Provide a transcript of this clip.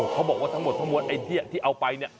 เขาบอกว่าทั้งหมดความเกิดที่เอาไป